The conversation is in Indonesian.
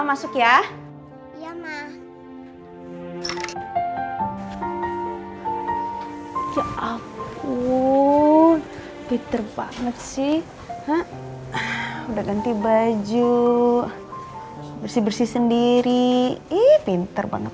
masuk ya ya ma ya ampun pinter banget sih udah ganti baju bersih bersih sendiri ih pinter banget